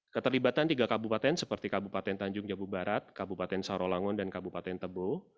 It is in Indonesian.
keterlibatan tiga kabupaten seperti kabupaten tanjung jabu barat kabupaten sarolangun dan kabupaten tebo